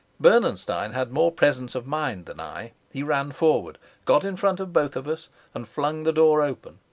Bernenstein had more presence of mind than I. He ran forward, got in front of both of us, and flung the door open.